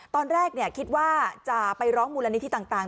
ตอนแรกคิดว่าจะไปร้องมูลนิธิต่าง